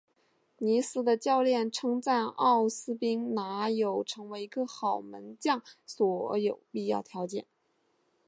尼斯的教练称赞奥斯宾拿有成为一个好门将所有必要的条件。